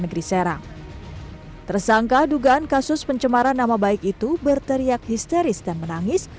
negeri serang tersangka dugaan kasus pencemaran nama baik itu berteriak histeris dan menangis